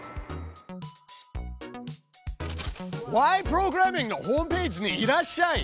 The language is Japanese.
プログラミング」のホームページにいらっしゃい。